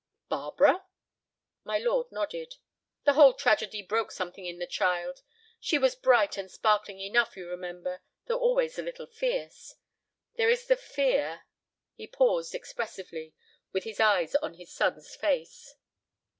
"Barbara?" My lord nodded. "The whole tragedy broke something in the child. She was bright and sparkling enough, you remember, though always a little fierce. There is the fear—" He paused expressively, with his eyes on his son's face.